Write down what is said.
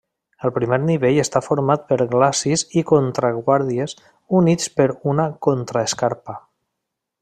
El primer nivell està format per glacis i contraguàrdies units per una contraescarpa.